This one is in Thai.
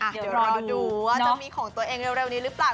เดี๋ยวรอดูว่าจะมีของตัวเองเร็วนี้หรือเปล่า